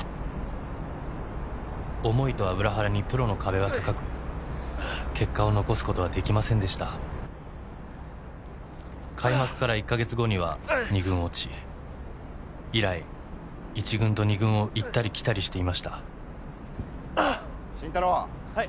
思いとは裏腹にプロの壁は高く結果を残すことはできませんでした開幕から１ヵ月後には二軍落ち以来一軍と二軍を行ったり来たりしていました慎太郎はい